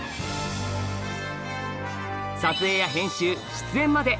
撮影や編集出演まで！